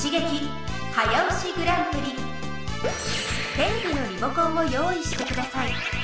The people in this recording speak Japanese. テレビのリモコンをよういしてください。